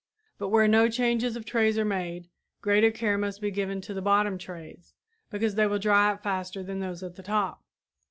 But where no changes of trays are made, greater care must be given to the bottom trays because they will dry out faster than those at the top.